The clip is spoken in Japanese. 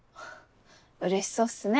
うれしそうっすね。